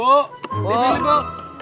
boleh boleh boleh boleh